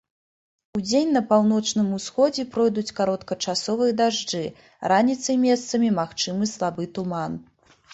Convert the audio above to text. Удзень на паўночным усходзе пройдуць кароткачасовыя дажджы, раніцай месцамі магчымы слабы туман.